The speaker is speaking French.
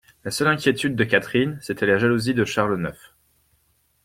La seule inquiétude de Catherine, c'était la jalousie de Charles neuf.